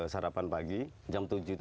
sarapan pagi jam tujuh itu